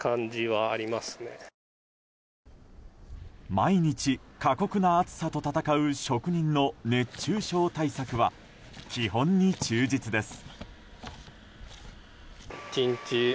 毎日、過酷な暑さと戦う職人の熱中症対策は基本に忠実です。